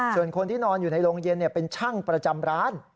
ส่วนคนที่นอนอยู่ในโรงเย็นเป็นช่างประจำร้าน